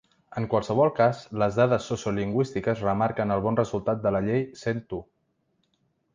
En qualsevol cas, les dades sociolingüístiques remarquen el bon resultat de la llei cent u.